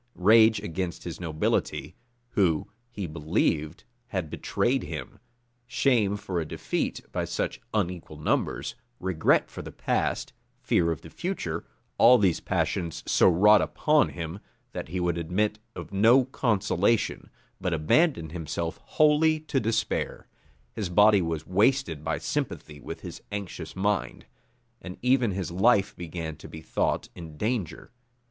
Rage against his nobility, who, he believed, had betrayed him; shame for a defeat by such unequal numbers; regret for the past, fear of the future; all these passions so wrought upon him, that he would admit of no consolation, but abandoned himself wholly to despair. His body was wasted by sympathy with his anxious mind; and even his life began to be thought in danger.